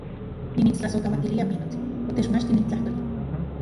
¡Nimitstlasojkamatilia, pinotl, otechmachti nin tlajtoli!